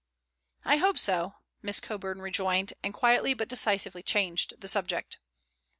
"I hope so," Miss Coburn rejoined, and quietly but decisively changed the subject.